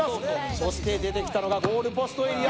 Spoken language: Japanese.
そして出てきたのがゴールポストエリア。